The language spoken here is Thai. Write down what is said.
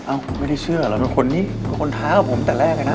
อ้าวไม่ได้เชื่อหรอมันคนนี้ก็ค้นท้ากับผมแต่แรกอ่ะน่ะ